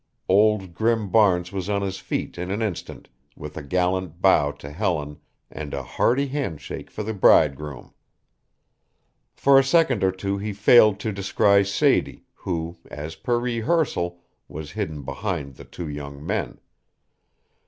Old Grim Barnes was on his feet in an instant with a gallant bow to Helen and a hearty handshake for the bridegroom. For a second or two he failed to descry Sadie, who, as per rehearsal, was hidden behind the two young men.